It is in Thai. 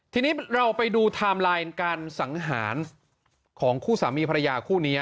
ทีนี้เราไปดูไทม์ไลน์การสังหารของคู่สามีภรรยาคู่นี้